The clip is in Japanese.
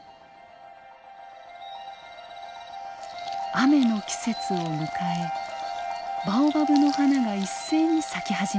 雨の季節を迎えバオバブの花が一斉に咲き始めました。